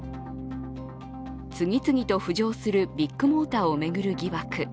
次々と浮上するビッグモーターを巡る疑惑。